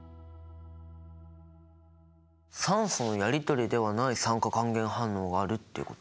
酸素のやりとりではない酸化還元反応があるっていうこと？